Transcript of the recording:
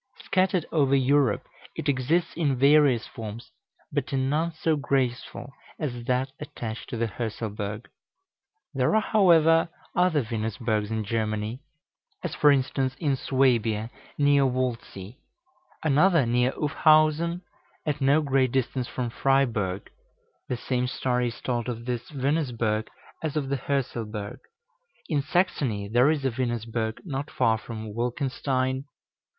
Scattered over Europe, it exists in various forms, but in none so graceful as that attached to the Hörselberg. There are, however, other Venusbergs in Germany; as, for instance, in Swabia, near Waldsee; another near Ufhausen, at no great distance from Freiburg (the same story is told of this Venusberg as of the Hörselberg); in Saxony there is a Venusberg not far from Wolkenstein.